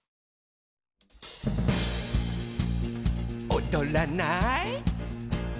「おどらない？」